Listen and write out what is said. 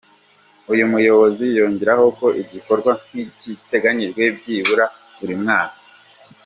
Uyu muyobozi yongeraho ko igikorwa nk’iki giteganyijwe byibura buri mwaka.